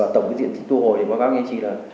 tổng diện tù hồi